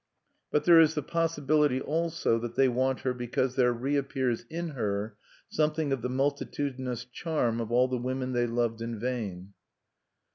But there is the possibility also that they want her because there reappears in her something of the multitudinous charm of all the women they loved in vain.